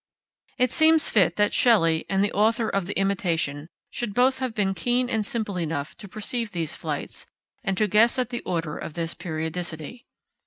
It seems fit that Shelley and the author of the Imitation should both have been keen and simple enough to perceive these flights, and to guess at the order of this periodicity.